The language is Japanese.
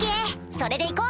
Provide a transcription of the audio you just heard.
それで行こう！